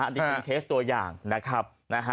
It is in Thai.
อันนี้เป็นเคสตัวอย่างนะครับ